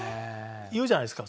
言うじゃないですか。